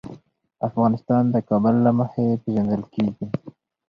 افغانستان د کابل له مخې پېژندل کېږي.